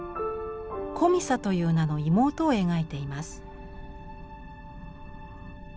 コミサという名の妹を描いています。